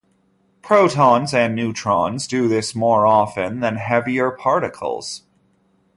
Protons and neutrons do this more often than heavier particles.